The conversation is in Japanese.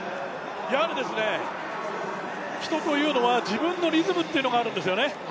やはり人というのは自分のリズムというのがあるんですよね。